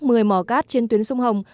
một mươi mỏ cát trên tuyến sông hồng